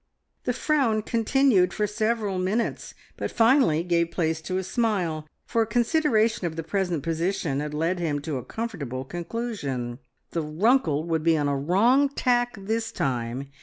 The frown continued for several minutes, but finally gave place to a smile, for a consideration of the present position had led him to a comfortable conclusion. The Runkle would be on a wrong tack this time!